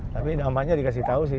tapi namanya dikasih tau sih